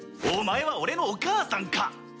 お前は俺のお母さんか？